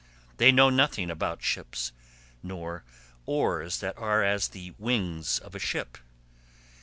They know nothing about ships, nor oars that are as the wings of a ship.